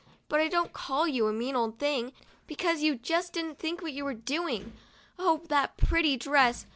But I don't call you a mean old thing, because you just didn't think what you were doing. Oh, that pretty dress!